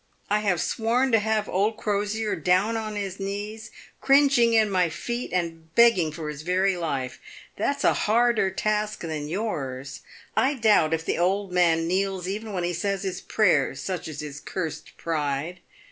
I have sworn to have old Crosier down on his knees cringing at my feet, and begging for his very life. That's a harder task than yours. I doubt if the old man kneels even when he says his prayers, such is his cursed pride.